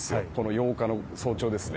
８日の早朝ですね。